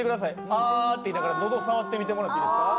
「あ」って言いながら喉を触ってみてもらっていいですか？